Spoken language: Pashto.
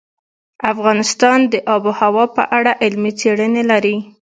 افغانستان د آب وهوا په اړه علمي څېړنې لري.